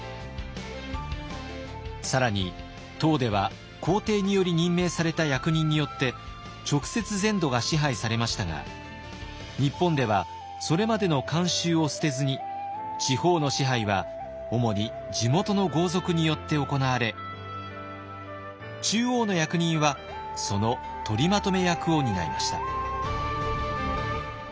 更に唐では皇帝により任命された役人によって直接全土が支配されましたが日本ではそれまでの慣習を捨てずに地方の支配は主に地元の豪族によって行われ中央の役人はその取りまとめ役を担いました。